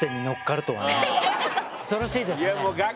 恐ろしいですね。